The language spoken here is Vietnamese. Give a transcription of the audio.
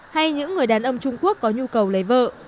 hay những người đàn ông trung quốc có nhu cầu lấy vợ